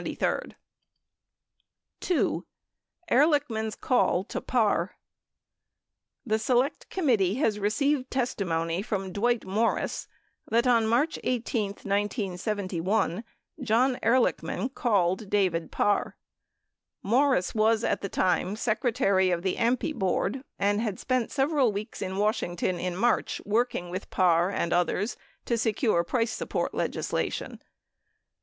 (2) Ehrlichman Call to Parr The Select Committee has received testimony from Dwight Morris that on March 18, 1971, John Ehrlichman called David Parr. Morris was, at the time, secretary of the AMPI board and had spent several weeks in Washington in March working with Parr and others to secure price support legislation.